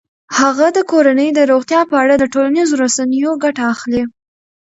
هغه د کورنۍ د روغتیا په اړه د ټولنیزو رسنیو ګټه اخلي.